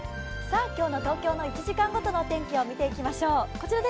今日の東京の１時間ごとの天気を見てみましょう。